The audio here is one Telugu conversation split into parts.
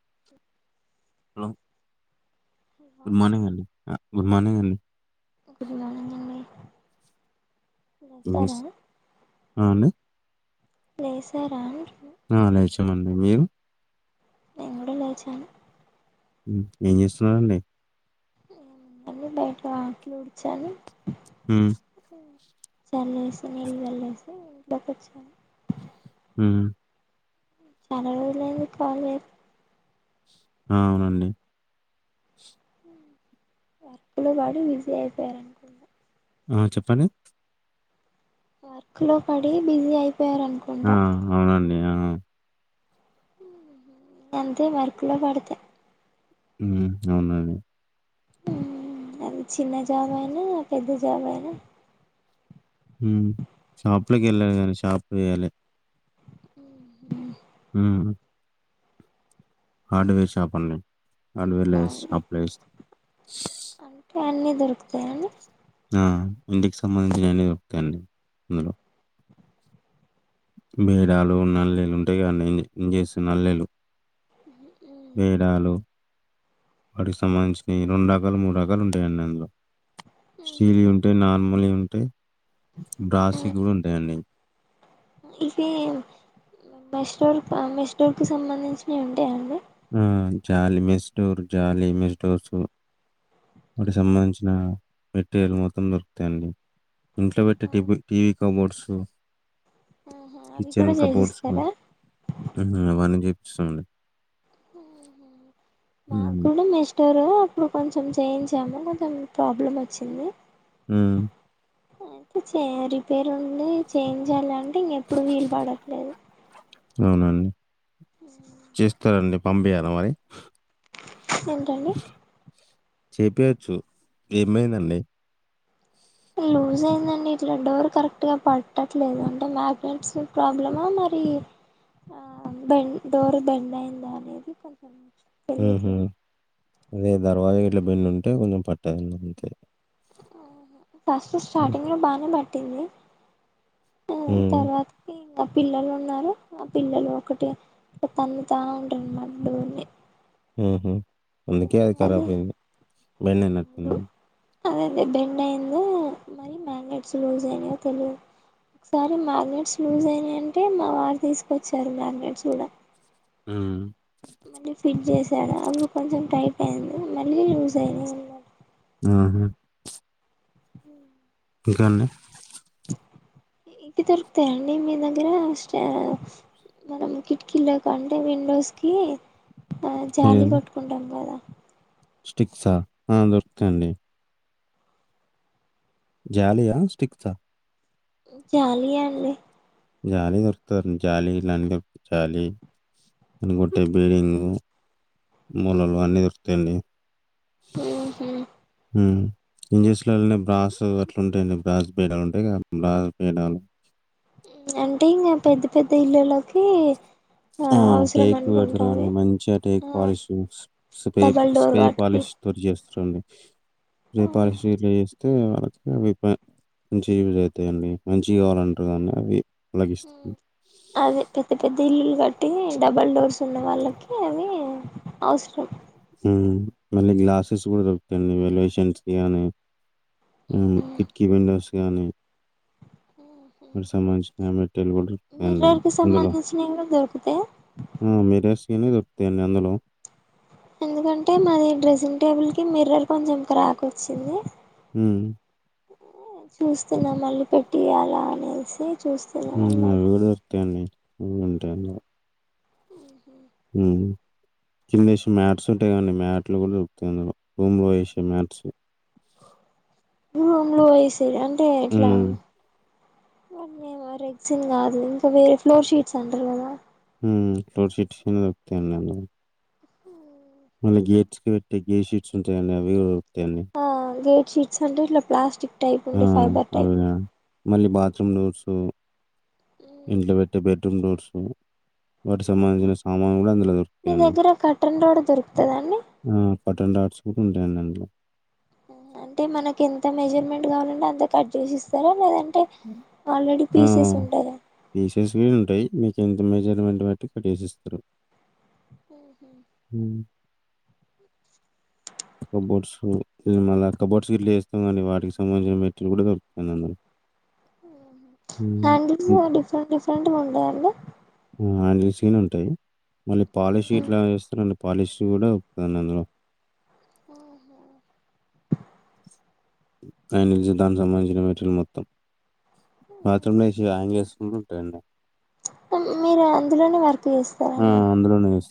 [inaudible] హలొ గుడ్ మార్నింగ్ అండి అ గుడ్ మార్నింగ్ అండి ఇది [inaudible] స్ అం డి లేశరా ఆ లేచా మండి మీరు ఏండి లేచాను. ఏం చేస్తున్నారండి. నను బయట ఆకిలి ఉడిచాను వుమ్ చీల్చేసిన నీ వెల్లేసి ఇకిచ్చ ఉమ్ చాలా రోజులయింది కాలే ఆ అవునండి వర్క్ లో వాడు బడి బిజీ అయిపోయారు అనుకున్న ఆ చెప్పండి వర్క్ లో పడి బిజీ అయిపో పేరనుకుంట ఆ! అవునండి. ఆ అంతే మరకులా పాడుతె అవునండి అది చిన్న జాబ్ అయినా పెద్ద జాబ్ అయినా. షాపులకి వెళ్ళారు కానీ షాప్ వేయాలె. [inaudible] ఉమ్ హార్డ్వేర్ షాప్ అండి ఆల్వేర్ లైట్స్ అవునా ఆఫ్ లైట్స్. [inaudible] అంటే అన్నీ దొరుకుతాయని ఆ ఇంటికి సంబంధించిన అన్ని దొరుకుతాయి అండి అందులో బేరాలు నల్లెలు ఉంటయి కదండీ ఇంజక్షన్లు నల్లెలు [inaudible] వేడాలు వాటికి సంబంధించినవి రెండు రకాలు మూడు రకాలు ఉంటాయండి అందులో. స్టీలి ఉంటే నార్మల్ ఉ అంటె బ్రాసికుడు ఉంటాయండి ఇవి మెస్టోర్ మెస్టూర్ కి సంబంధించినవి ఉంటా అండి ఆ జాలి మిస్ డూర్ జాలి మిస్ డూర్ సూ సంబంధించిన మెటీరియల్ మొత్తం దొరుకుతాయండి ఇంట్లో పెట్టటి టి టీవీ కబోర్డ్స్ ఆహా [inaudible] అవి కిచెన్ కూడా కబోర్డ్స్ చేసిస్తారా వాణి సంది మాక్ హ్మ్ గుడా మెస్ డురు అప్పుడు కొంచెం చేయించాము కొంచెం ప్రాబ్లం వచ్చింది ఊమ్ అయితే చేరిపేర్ ఉంది చేంజ్ చేయాలని టింగ్ ఎప్పుడు వీలు పడట్లేదు. అవునండి చేస్తారండి పంపియాలా మరి ఏంటండి చేపియచ్చు ఏమైందండి లూజ్ అయిందండి ఇట్లా డోర్ కరెక్ట్గా పట్టట్లేదు అంటే మ్యాగ్నెట్స్ ప్రాబ్లమా, మరి ఆ బెం డోర్ బెండ్ అయిందా అనేది కొంచం? తెలియట్ల హుహు. అదే దర్వాజా గట్ల బింన్న ఉంటే కొంచెం పట్టద అంతే ఆహ ఫస్ట్ హ్మ్. స్టార్టింగ్ లో బాగానే పట్ట టీంది ఆ హ్మ్. తర్వాతకి ఆ పిల్లలు ఉన్నారు ఆ పిల్లలు ఒకటె తన్నతా ఉంటారన్నమాట డోర్ ని ఊహు అందుకే అది ఖరాబ్ అయింది బన్న అయినట్టుంది అదే అదే బెండ్ అయిందో మరిీ మ్యాగ్నెట్స్ లూజ్ అయినాయో తెలియదు ఒకసారి మ్యాగ్నెట్స్ లూజ్ అయినాయంటే మా వారు తీసుకొచ్చారు మ్యాగ్నెట్స్ కూడా ఉమ్ మళ్ళీ ఫిట్ చేసాడు అప్పుడు కొంచెం టైట్ అయింది మళ్ళీ లూజ్ అయినాయి అనమాట ఆహా ఇంకా అండి ఇవి దొరుకుతాయా అండి మీ దగ్గర స్టాక్స్ మనం కిటికీళక అంటే విండోస్కి ఆ జాలి ఏదండి కట్టుకుంటాం కదా స్టిక్సా ఆ దొరుకుతాయండి జాలి ఆ స్టిక్స్ ఆ జాలి ఏ అండి జాలి దొరుకుతారు జాలి ఇలాంటి దొరు జాలి అని కొట్టే బీల్డింగ్ మూలలు అన్ని దొరుకుతాయండి ఉహు ఉమ్ ఇంజెస్లోని బ్రాస్ అట్లా ఉంటాయండి బ్రాస్ బేడాలు ఉంటాయి కదా బ్రాస్ బేడ అంటే ఇంకా పెద్ద పెద్ద ఇళ్లులోకి ఆ టేక్ పెడతారు కదండి మంచిగా టేక్ ఆ polish spray double door spray వాటికి పాలిష్ తోటి చేస్తా రండి రే పాలిష్ ఇట్లా చేసి అతే వాళ్ళకి అవి మంచి యూజ్ అవుతాయిండి మంచి కావాలంటారు కానీ అవి అలాగిస్తాయి ఉమ్ అదే పెద్ద పెద్ద ఇల్లు కట్ టే డబల్ డోర్స్ ఉన్న వాళ్ళకి అవి అవసరం ఉ మళ్ళీ గ్లాసెస్ కూడా దొరుకుతాడి వెలేషన్స్ గానీ కిట్కీ విండోస్ గానీ సంబంధించిన మిర్రర్ కి [inaudible] అందులో సంబంధించినవి కూడా దొరుకుతాయి ఆ మీరేస్నే దేన్ని అందులో ఎందుకంటే మాది డ్రెస్సింగ్ టేబుల్ టే మిర్రర్ కొంచెం రాక్ వచ్చింది ఉ చూస్తున్నాం మళ్ళీ పెట్టియాల అనేసి ఉ చూస్తున్నాం అనమాట అవి కూడా దొరుకుతాయండి వు అంటాన్నా ఉ కిందేసి మ్యాట్స్ ఉంటాయి కాండి మ్యాట్లు కూడా తృప్తిందడం రూమ్ లో వేసే మ్యాట్స్ రూమ్లో వేసేవి అంటే ఎట్లా హ్మ్. అన్నీమ రెగ్జన్ కాదు ఇంకా వేరే ఫ్లోర్ షీట్స్ అంటారు కదా ఉ ఫ్లోర్ షీట్స్ గాని దొరుకుతాయి అందులో మళ్ళీ గేట్స్ కి పెట్టటి గేట్ షీట్స్ ఉంటాయండి అవి తెని చీట్స్ అంటే ఇట్లా ప్లాస్టిక్ టైపు ఉంట ఫైబర్ అవి టైప్ గాని మళ్ళీ బాత్రూమ్ డోర్సు ఇంట్లో పె బెడ్రూమ్ డోర్సు వాటికి సంబంధించిన సామాన్లు కూడా అందులో మీ దొరుకుతాయండి దగ్గర కట్టన్ రోడ్ దొరుకుతదా అండి ఆ పటన్ ఆట్స్ ఉంటాయండి అందులో అంటే మనకి ఎంత మెజర్మెంట్ కావాలంటే అంత కట్ చేసి ఇస్తారా లేదన్ ఆ పీసెస్ ఉంటాయి మీకు ఇంత మెజర్మెంట్ బట్టి కట్టేసిస్తారు ఉహు కబోర్డ్స్ మళ్ళా కబోర్ట్స్ గి ఇట్లా వేస్తాండి వాటికి సంబంధించిన మెటరీయల్ కూడా దరుకుతుంది అందులో హ్మ్ హ్యాండిల్స్ హ్మ్. డిఫరెంట్ డిఫరెంట్గా ఉంటాయండి ఆన్ని సీన్ ఉంటాయి మళ్ళీ పాలిష్ ఇట్లా చేస్తున్నా పాలిష్ కూడా దొరుకుతుంది అందులో ఓహో ఆయన నిలిచే దానికి సంబంధించిన మెటీరియల్ మొత్తం బాత్రూంలో వేసే హ్యాంగర్స్ కూడా అండి మీరు అందులోనే వర్క్ ఆ చేస్తారండి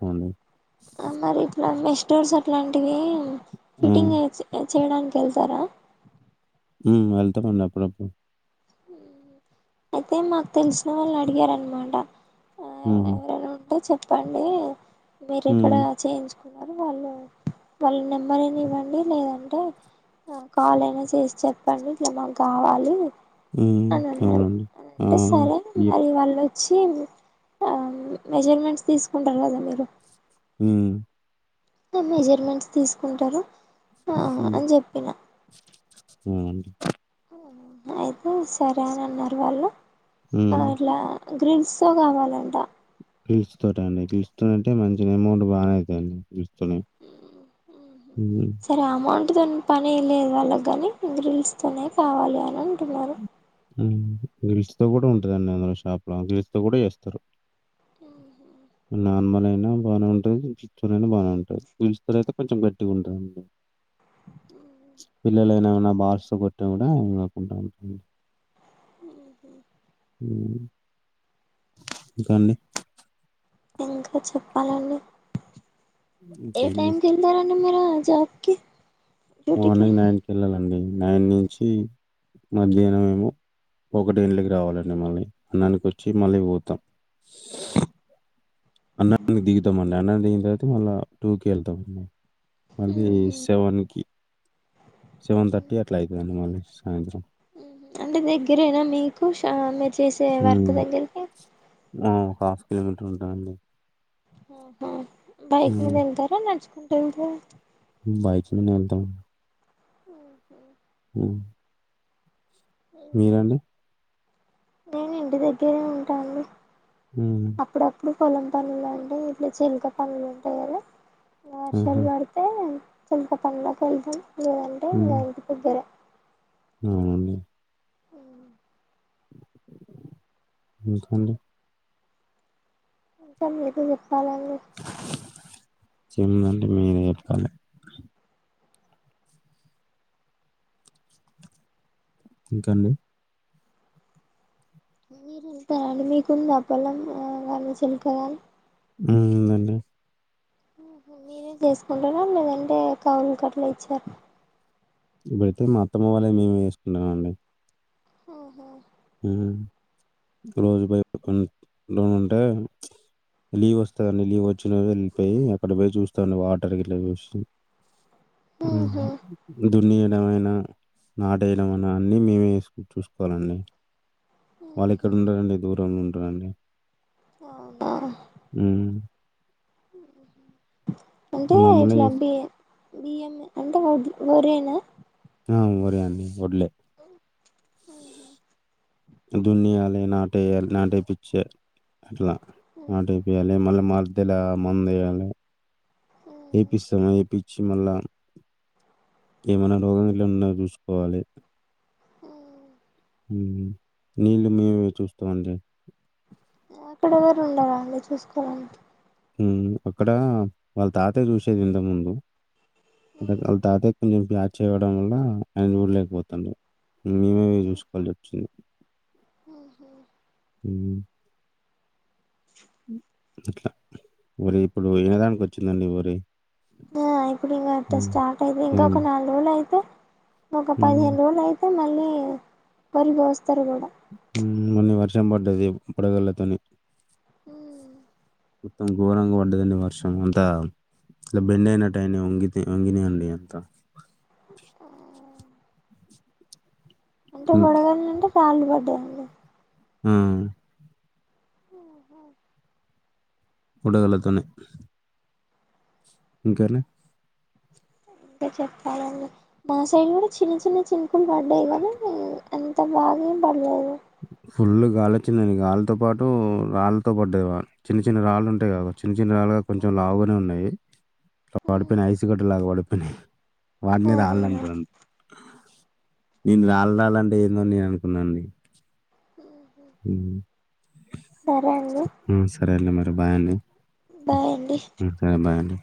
[unintelligible] మరి ఇట్లా మె స్టోర్స్ అట్లాంటివి అ ఆ! ఫిటింగ్ వచ్చి కాద్ చేయడానికి వెళ్తారా హ్మ్ వెళ్తామండి అప్పుడప్పుడు హ్మ్ అయితే మాకు తెలిసిన వాళ్ళు అడిగారనమాంట ఆ హ్మ్. ఎవరైనా ఉంటే చెప్ ప్పండి మీరిక్కడ హ్మ్. చేంజ్ న్నారు వాళ్ళు వాళ్ళ నెంబర్ అయినా ఇవ్వండి. లేదంటే ఆ కాల్ అయినా చేసి చెప్పండి. ఇట్లా మాకు కావాలి. హ్మ అని అన్నారు అవునండి అవును ఇయప్ చ్చిమ్ ఆమ్ మెజర్మెంట్స్ తీసుకుంటారు కదా మీరు హ్మ్ మ్ త్తేమ్ మెజర్మెంట్స్ తీసుకుంటారు మ్మ్ అని చెప్పిన హుమ్మ్ అహ అద్ హ్ సరే అని అన్నారు వాళ్ళు హ్మ్. మరిర్లా గ్రీన్సో కావాలంట పిలుచటండి పిలుచస్తంటే మంచి అమౌంట్ బాగా అయితయండి గ్రిడ్స్ చ్చింద హ్మ్ ఇటితో పని లేదు వాళ్ళకి కాని గ్రిల్స్ తోనే కావాలి అని అంటున్నారు గిల్స్ తో కూడా ఉంటదండి అందురు షాప్ లో గిల్స్ తో కూడా చేస్తారు అ నార్మల్ అయినా బాగానే ఉంటంది పచైనా బాగానే ఉంటుది పిలుస్తారు అయితే కొంచెం గట్టిగా ఉంటుందిండి పిలలైనానా బార్సు కొట్ట కూడా ఇ కాకుంటడా ఉంటుంది మ్ ఇంకా అండి ఇంకా చెప్పాలండి ఏ ఇంకేం చేస్ టైమ్ కల్ద రా మే జగకి మార్నింగ్ నైన్కి వెళ్ళాలండి నైన్ నుంచి మధ్యాహ్నం ఏమో ఒకటి ఇంళకి రావాలండి మళ్ళీ అన్నానికి వచ్చి మళ్ళీ పోతాం అన్నాన్ని దిగుతామండి అన్నన్ని ది తే మళ్ళా టూ కి వెళ్తా ఉయి మళ్ళీ సెవెన్ కి మళ్ళీ సాయంత్రం. అంటే దగ్గరేనా మీకు మీరు చేసే వర్క్ హ్మ్. దగ్గరికి ఆ ఒక హాఫ్ కిలోమీటర్ ఉంటుందండి హ బైకింగ్ వెళ్తారా స్క టైం బైక్ మీనే వెళ్తాం ఉ అ మీరండి నేను ఇంటి దగ్గరే ఉంటాను హ్మ్. అప్పుడు అప్పుడుే పొలం పనులు అండి ఇలా జీలక పనులు ఉంటాయి కదా వర్షాలు ఆహా! పడుతే చంకా పండాకా ఇదు ఏదంటే న ఇంటి దగ్గరే అవు మ్ ఇంకా క అలాగే చెముందండి మీరే చెప్పాలి ఇంకాండి మీరుంటారి మీకుంది అప్పలం ఆలోచన కద ఉ అన్నే మీరే చేసుకుంటార లేదంటే కావులు కట్టలు ఇచ్చారు ఇప్పుడితే మా అత్తమ్మ వాళ్ళే మేమే చేసుకుంటామ అండి హఓహ రోజు పైూ ఉంటే లీ వస్తువులనులీ వచ్చ వచ్చిన వెళ్ళిపోయి అక్కడ పోయి చూస్తాం వాటర్ కిలా చూసి ఉహు దున్నియడంమైనా నాటేయడం అనా అన్ని మేమే వేసు చూసుకోవాలండి వాళ్ళిక్కడండ రడి దూరంంలో ఉడి వండి ఆఓ హ మ్మ్. అంటే మమ్మల్నే చేస్ ఇట్లాబి బిఎం అంట వరేనా ఆ మరి అన్ని ఒడ్లే ఉహు దున్నేయాలి నాటేయాలి నాటే పిచ్చే అట్లా నాటే పియాలి మళ్ళ మ ఇలా మందేయలి ఎపిస్త ఏపిచ్చి మళ్ళా ఏమైనా రోగ నిరోధంగ చూసుకోవాలి హుమ్ హుమ్ నీళ్ళ మేమే పోయి చూస్తండే అక్కడ ఎవరు ఉండరా లే చూసుకోవడానికి హుమ్ అక్కడ వాళ్ళ తాత చూసేది ఇంతకు ముందు అంటే ఆది తాతోల పొలం ద్రాచ్ ఏయడం వల్ల ఆయన చూడలేకపోతుండు మేమే చూసుకొని వచ్చింది హుమ్ హు హ్మ్. ఇట్లా మరి ఇప్పుడు వినదానికి వచ్చిందండి వరి ఆ ఇప్పుడు ఇంకా అట్ట హ్మ్. స్టార్ట్ అయ్యింది ఇంకా హ్మ్. ఒక నాలుగు రోజులు అయితే ఒక హ్మ్. పదిహేను రోజులు అయితే మళ్ళీ హుమ్ వరి గోస్తరు గా హుమ్ మళ్ళీ వర్షం పడ్డది పడగళ్లతోని మొత్తం ఘోరంగా పడ్డదండి వర్షం అంతా ఇలా బెండ అయినట్టు అయ్యింది వంగితే వంగిని అండి అంత మొత్తం హ్మ్. వడగండ్లంట కాలు బడ్డదన్ లే హుమ్ బుడగలతోనే ఇంక లే మీరె చెప్పాలండి మాసైడ్ గుడా చిన్న చిన్న చిన్ పడ్డాయ్ గాని అంత బాగెం పడలేదు ఫుల్లు గాలి వచ్చింది గాలితో పాటు రాళ్తో పడ్డాయ్ చిన్న చిన్న రాళ్ళు ఉంటాయి కదా చిన్న చిన్న రాళ్ళు కాదు కొంచెం లావుగానే ఉన్నాయి అట్ల పడిపోయినాయ్ ఐసు గడ్డ లాగా పడిపో వాటినే రాలంటారు నేను రాలు రాలు అంటే ఏందో అని నేను అనుకున్నా సరే అండి హుమ్ సరే మరండి బాయ్ అండి బాయ్ అండి ఉమ్, సరే బాయ్ అండి.